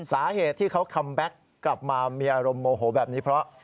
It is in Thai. สาเหตุที่เขาคัมแบ็คกลับมามีอารมณ์โมโหแบบนี้เพราะ